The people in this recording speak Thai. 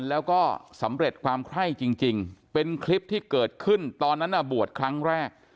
แล้วก็สำเร็จความไคร้จริงเป็นคลิปที่เกิดขึ้นตอนนั้นบวชครั้งแรก